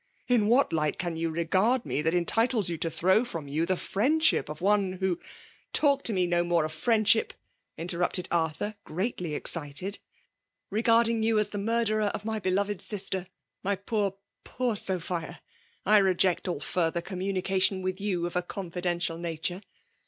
In what light can you regard m^ that entitles you to throw from you the friend* ship of one who '* Talk lo me no more of friendship !"' in terrupted Artliur, greatly excited. *' Begard iitg you as the murderer of my beloved sister ; my poor, poor Sophia^ — I reject all furthex communication with you of a confidential nature.